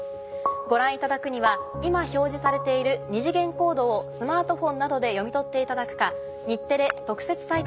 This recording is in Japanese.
ご覧いただくには今表示されている二次元コードをスマートフォンなどで読み取っていただくか。